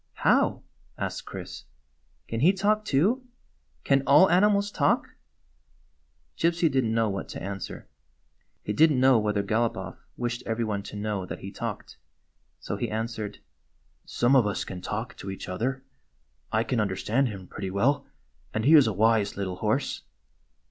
"How?" asked Chris. "Can he talk, too? Can all animals talk?" Gypsy did n't know what to answer. He did n't know whether Galopoff wished every one to know that he talked. So he answered: " Some of us can talk to each other. I can 106 PLANS FOR A JOURNEY understand liim pretty well; and he is a wise little horse."